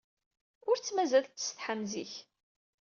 Ur tt-mazal tettsetḥi am zik.